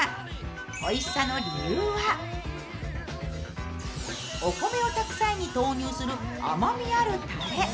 おいしさの理由は、お米を炊く際に投入する甘みあるたれ。